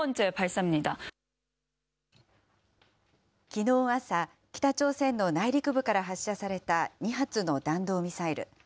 きのう朝、北朝鮮の内陸部から発射された２発の弾道ミサイル。